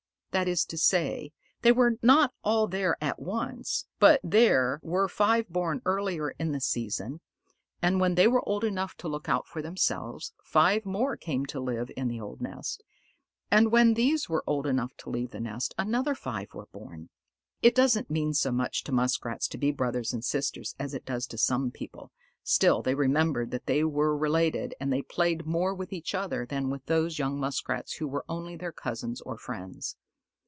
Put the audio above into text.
That is to say, they were not all there at once, but there were five born early in the season; and when they were old enough to look out for themselves, five more came to live in the old nest; and when these were old enough to leave the nest, another five were born. It doesn't mean so much to Muskrats to be brothers and sisters as it does to some people, still they remembered that they were related, and they played more with each other than with those young Muskrats who were only their cousins or friends.